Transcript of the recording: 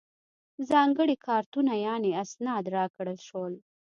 ځانګړي کارتونه یعنې اسناد راکړل شول.